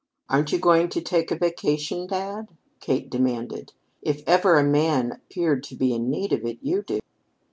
"Aren't you going to take a vacation, dad?" Kate demanded. "If ever a man appeared to be in need of it, you do."